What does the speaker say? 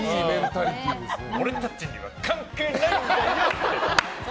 俺たちには、関係ないんだよ！